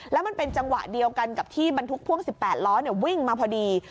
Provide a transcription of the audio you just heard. แล้วมันเป็นจังหวะเดียวกันกับที่บรรทุกพ่วง๑๘ล้อวิ่งมาพอดี